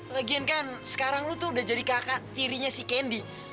legian kan sekarang lo tuh udah jadi kakak tirinya si kendi